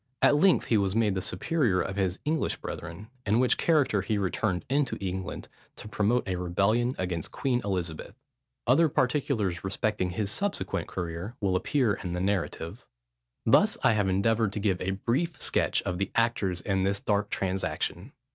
At length he was made the superior of his English brethren, in which character he returned into England, to promote a rebellion against Queen Elizabeth. Other particulars respecting his subsequent career will appear in the narrative. [Footnote 8: Book x. 34.] Thus have I endeavoured to give a brief sketch of the actors in this dark transaction.